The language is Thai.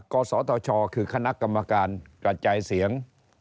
กศธชคือคณะกรรมการกระจายเสียง